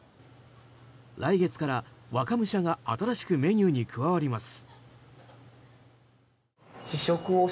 来月から、若武者が新しくメニューに加わります。